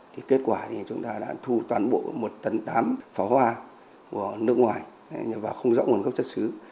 thì kết quả thì chúng ta đã thu toàn bộ một tấn tám pháo hoa của nước ngoài và không rõ nguồn gốc chất xứ